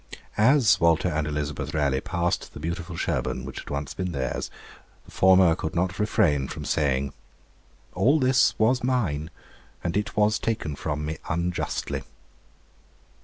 As Walter and Elizabeth Raleigh passed the beautiful Sherborne which had once been theirs, the former could not refrain from saying, 'All this was mine, and it was taken from me unjustly.'